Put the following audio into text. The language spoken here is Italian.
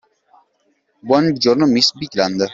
Buon giorno, miss Bigland.